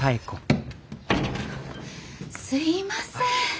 すいません。